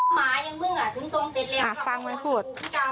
หมาอย่างเมื่อง่ะถึงส่งเสร็จแล้วฟังมันพูด